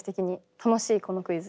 楽しいこのクイズ。